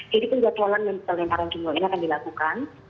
jadi penjatualan melemparan jumroh ini akan dilakukan